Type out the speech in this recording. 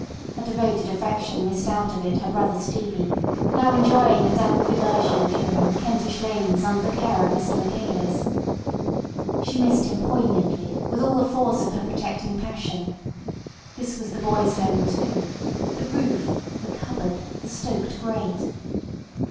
Her devoted affection missed out of it her brother Stevie, now enjoying a damp villegiature in the Kentish lanes under the care of Mr Michaelis. She missed him poignantly, with all the force of her protecting passion. This was the boy's home too—the roof, the cupboard, the stoked grate.